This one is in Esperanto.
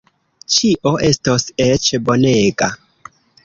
Ĉio estos eĉ bonega.